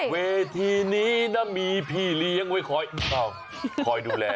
เวทีนี้นะมีพี่เลี้ยงไว้คอยดูแล